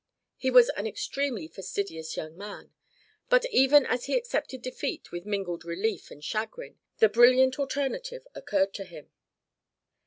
He was an extremely fastidious young man. But even as he accepted defeat with mingled relief and chagrin, the brilliant alternative occurred to him.